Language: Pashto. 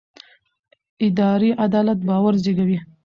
اداري عدالت باور زېږوي